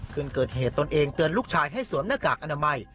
คืนเกิดเหตุตนเองเตือนลูกชายให้สวมหน้ากากอนามัย